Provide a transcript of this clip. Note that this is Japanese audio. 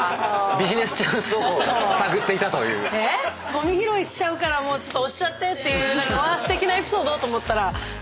ゴミ拾いしちゃうから押しちゃってっていうすてきなエピソードと思ったら。